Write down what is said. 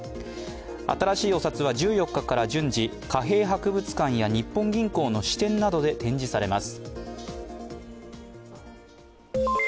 新しいお札は１４日から順次貨幣博物館や日本銀行の支店などで展示されます。